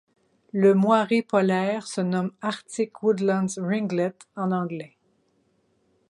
Le Moiré polaire se nomme Arctic Woodland Ringlet en anglais.